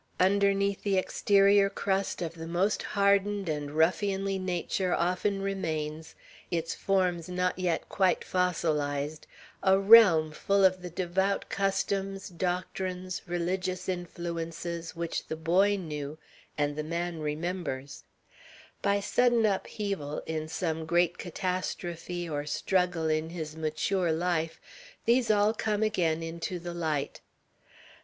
Underneath the exterior crust of the most hardened and ruffianly nature often remains its forms not yet quite fossilized a realm full of the devout customs, doctrines, religious influences, which the boy knew, and the man remembers, By sudden upheaval, in some great catastrophe or struggle in his mature life, these all come again into the light.